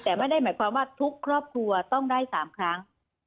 แต่ไม่ได้หมายความว่าทุกครอบครัวต้องได้๓ครั้ง